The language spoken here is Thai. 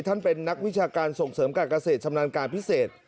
เป็นนักวิชาการส่งเสริมการเกษตรชำนาญการพิเศษ